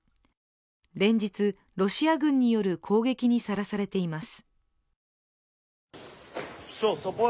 連日、ロシア軍による攻撃にさらされています。